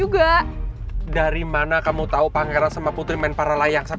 gini kamu tau tempatnya